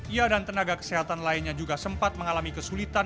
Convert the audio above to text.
ia dan tenaga kesehatan lainnya juga sempat mengalami kesulitan